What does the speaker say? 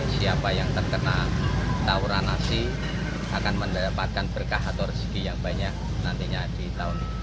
siapa yang terkena tauran nasi akan mendapatkan berkah atau rezeki yang banyak nantinya di tahun ini